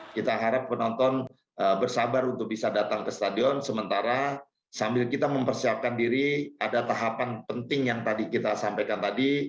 kita harap penonton bersabar untuk bisa datang ke stadion sementara sambil kita mempersiapkan diri ada tahapan penting yang tadi kita sampaikan tadi